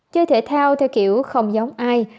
chơi thể thao theo kiểu không giống ai